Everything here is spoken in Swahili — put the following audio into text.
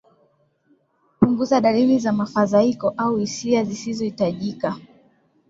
kupunguza dalili za mfaidhaiko au hisia zisizohitajika